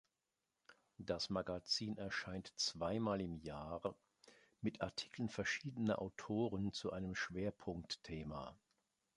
Das Magazin erscheint zweimal im Jahr mit Artikeln verschiedener Autoren zu einem Schwerpunktthema.